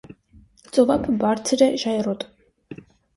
Ծովափը բարձր է, ժայռոտ։